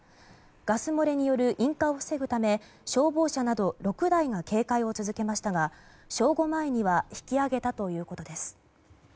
ガス漏れによる引火を防ぐため消防車など６台が警戒を続けましたが正午前には引き上げたということです。